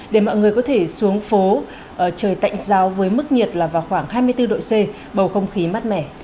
để mọi người có thể xuống phố trời tạnh giáo với mức nhiệt là vào khoảng hai mươi bốn độ c bầu không khí mát mẻ